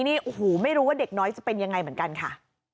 นี่โอ้โหไม่รู้ว่าเด็กน้อยจะเป็นยังไงเหมือนกันค่ะ